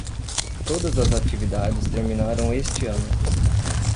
Todas as atividades terminaram este ano.